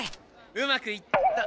うまくいった。